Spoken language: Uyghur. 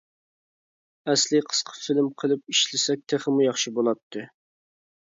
ئەسلى قىسقا فىلىم قىلىپ ئىشلىسەك تېخىمۇ ياخشى بولاتتى.